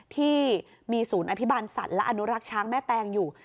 ที่มีศูนย์อภิบาลสัตว์และอนุรักษ์ช้างแม่แตงอยู่